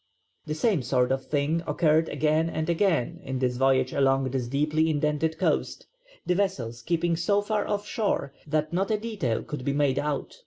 The same sort of thing occurred again and again in the voyage along this deeply indented coast, the vessels keeping so far off shore that not a detail could be made out.